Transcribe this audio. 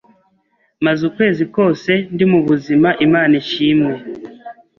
maze ukwezi kose ndi muzima Imana ishimwe